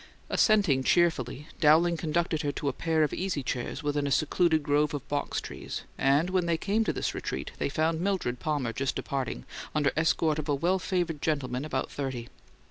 Assenting cheerfully, Dowling conducted her to a pair of easy chairs within a secluding grove of box trees, and when they came to this retreat they found Mildred Palmer just departing, under escort of a well favoured gentleman about thirty.